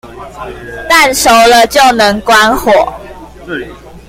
蛋熟了就能關火